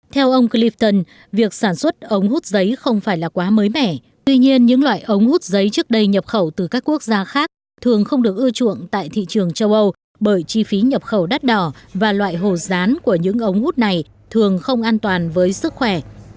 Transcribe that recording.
theo ông clifton việc sản xuất ống hút giấy không phải là quá mới mẻ tuy nhiên những loại ống hút giấy trước đây nhập khẩu từ các quốc gia khác thường không được ưa chuộng tại thị trường châu âu bởi chi phí nhập khẩu đắt đỏ và loại hồ rán của những ống hút này thường không an toàn với sức khỏe